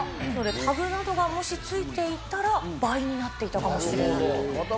タグなどがもしついていたら、倍になっていたかもしれないと。